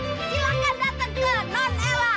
silahkan datang ke non ella